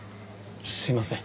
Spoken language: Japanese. すいません。